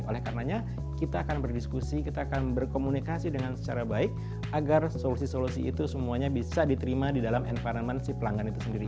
oleh karenanya kita akan berdiskusi kita akan berkomunikasi dengan secara baik agar solusi solusi itu semuanya bisa diterima di dalam environment si pelanggan itu sendiri